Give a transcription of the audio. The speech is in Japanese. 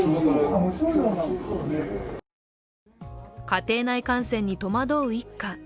家庭内感染に戸惑う一家。